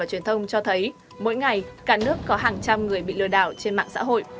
và truyền thông cho thấy mỗi ngày cả nước có hàng trăm người bị lừa đảo trên mạng xã hội